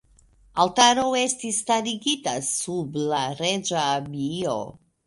Altaro estis starigita sub la reĝa abio.